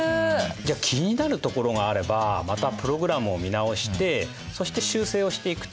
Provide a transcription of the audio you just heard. じゃあ気になるところがあればまたプログラムを見直してそして修正をしていくと。